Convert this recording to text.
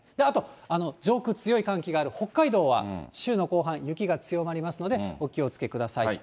あと、上空、強い寒気がある北海道は週の後半で雪が強まりますので、お気をつけください。